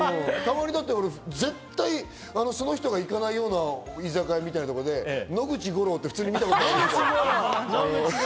絶対その人が行かないような居酒屋みたいなところで、「野口五郎」って普通に見たことあるもん。